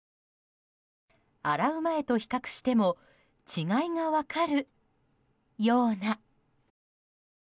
洗う前と比較しても違いが分かるような。